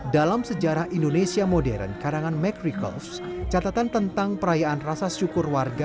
dalam sejarah indonesia modern karangan mcricals catatan tentang perayaan rasa syukur warga